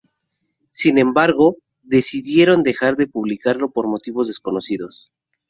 Sin embargo, decidieron dejar de publicarlo por motivos desconocidos.